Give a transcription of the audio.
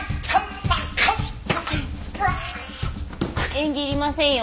演技いりませんよ。